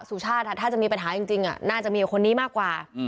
สุชาติถ้าจะมีปัญหาจริงน่าจะมีคนนี้มากกว่า